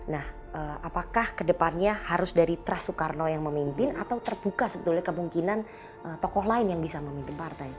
nah apakah kedepannya harus dari trust soekarno yang memimpin atau terbuka sebetulnya kemungkinan tokoh lain yang bisa memimpin partai